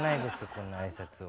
こんな挨拶を。